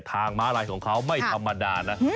ม้าลายของเขาไม่ธรรมดานะ